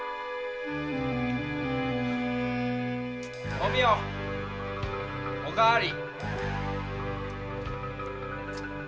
お美代お代わり。